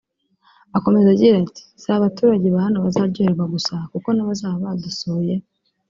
Akomeza agira ati “Si abaturage ba hano bazaryoherwa gusa kuko n’abazaba badusuye